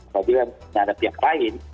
apabila menyadari yang lain